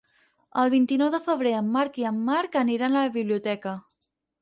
El vint-i-nou de febrer en Marc i en Marc aniran a la biblioteca.